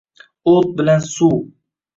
O’t bilan suv